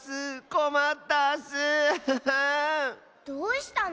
どうしたの？